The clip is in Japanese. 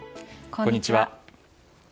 こんにちは。